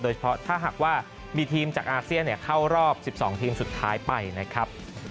เฉพาะถ้าหากว่ามีทีมจากอาเซียนเข้ารอบ๑๒ทีมสุดท้ายไปนะครับ